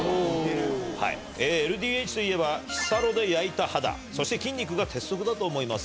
ＬＤＨといえば日サロで焼いた肌、そして筋肉が鉄則だと思います。